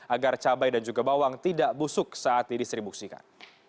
agar cabai dan juga bawang tidak busuk saat didistribusikan